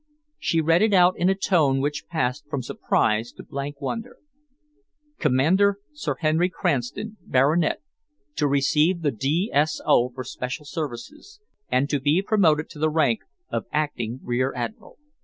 She read it out in a tone which passed from surprise to blank wonder: Commander Sir Henry Cranston, Baronet, to receive the D.S.O. for special services, and to be promoted to the rank of Acting Rear Admiral.